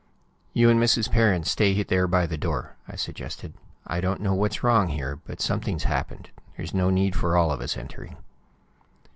"You and Mrs. Perrin stay there by the door," I suggested. "I don't know what's wrong here, but something's happened. There's no need for all of us entering."